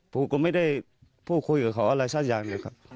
พวกมันไม่ได้พูดคุยกับเราอะไรซะอย่างเลยครับ